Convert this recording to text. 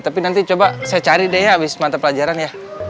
tapi nanti coba saya cari deh ya abis mantap pelajaran ya